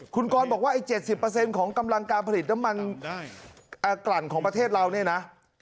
คุณกรบอกว่าไอ้๗๐ของกำลังการผลิตน้ำมันกลั่นของประเทศเราเนี่ยนะ